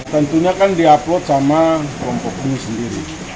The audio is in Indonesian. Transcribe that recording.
tentunya kan diupload sama kelompok ini sendiri